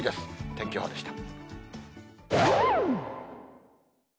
天気予報でした。